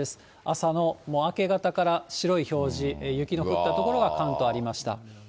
朝の明け方から白い表示、雪の降った所が関東ありました。